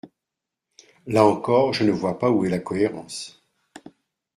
Là encore, je ne vois pas où est la cohérence.